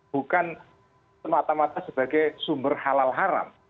bukan semata mata sebagai sumber halal haram